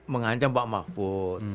mengancam pak mahfud